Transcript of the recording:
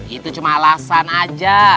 itu cuma alasan aja